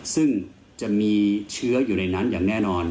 ซึ่งจะมีเชื้ออยู่ในนั้นอย่างแน่นอน